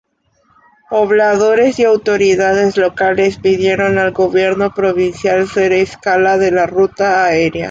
Pobladores y autoridades locales pidieron al gobierno provincial ser escala de la ruta área.